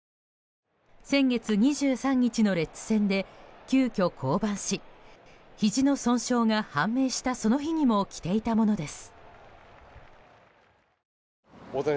先月２３日のレッズ戦で急きょ降板しひじの損傷が判明したその日にも着ていたものです。